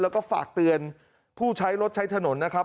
แล้วก็ฝากเตือนผู้ใช้รถใช้ถนนนะครับ